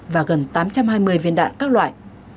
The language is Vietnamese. và gần tám trăm hai mươi viên đạn các loại